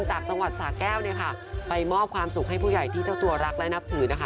จากจังหวัดสาแก้วเนี่ยค่ะไปมอบความสุขให้ผู้ใหญ่ที่เจ้าตัวรักและนับถือนะคะ